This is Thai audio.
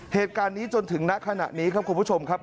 เหตุการณ์นี้จนถึงณขณะนี้ครับคุณผู้ชมครับ